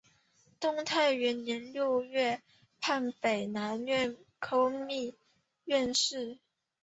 太平元年六月判北南院枢密院事。